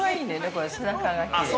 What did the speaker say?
これ背中がきれい。